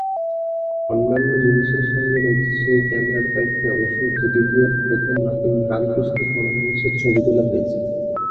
অন্যান্য জিনিসের সঙ্গে রয়েছে সেই ক্যামেরার কয়েকটি অংশ, যেটি দিয়ে প্রথম রামকৃষ্ণ পরমহংসের ছবি তোলা হয়েছিল।